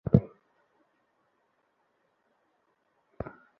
ঠিক ওই কোণায়।